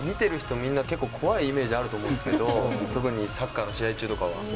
みんな怖いイメージがあると思うんですけど特にサッカーの試合中とかは。